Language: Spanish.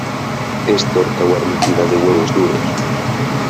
Es torta guarnecida de huevos duros.